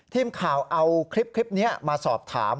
ทีมข่าวเอาคลิปนี้มาสอบถาม